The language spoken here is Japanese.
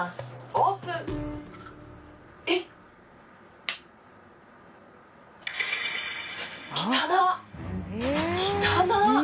オープンえっ汚っ汚っ！